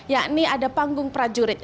yakni ada panggung prajurit